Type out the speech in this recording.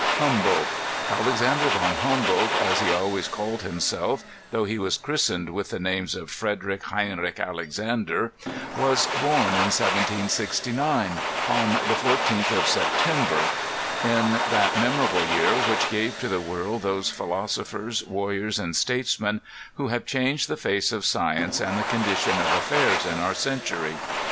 Humboldt ŌĆö Alexander von Humboldt, as he always called himself^ though he was christened with the names of Frederics: Heinrich Alexander, ŌĆö was born in 1769, on the 14th of Sep Digitized by Google Prof. Agatsizs Eulogy on Humboldt. fn teraber, ŌĆö in that memorable year which gave to the world these philosophers, warriors and statesmen who have changed the &oe of science and the condition of affairs in oar century.